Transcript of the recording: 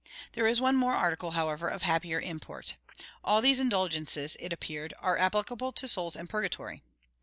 There is one more article, however, of happier import. 'All these indulgences,' it appeared, 'are applicable to souls in purgatory.